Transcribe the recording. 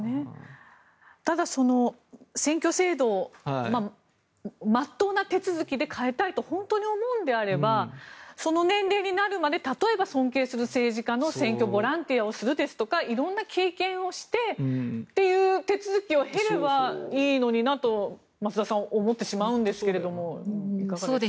ただ、選挙制度を真っ当な手続きで変えたいと本当に思うのであればその年齢になるまで例えば尊敬する政治家の選挙ボランティアをするですとか色んな経験をしてという手続きを経ればいいのになと松澤さん、思ってしまうのですがいかがでしょうか。